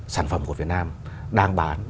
sản phẩm của việt nam đang được phát triển